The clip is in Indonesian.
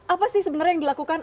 apa sih sebenarnya yang dilakukan